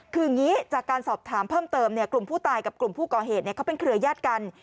คืออย่างนี้จากการสอบถามเพิ่มเติมกลุ่มผู้ตายกับกลุ่มผู้ก่อเหตุเขาเป็นเครือญาติกัน